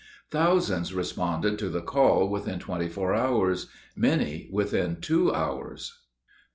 Thousands responded to the call within twenty four hours many within two hours.